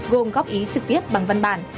gồm góp ý trực tiếp bằng văn bản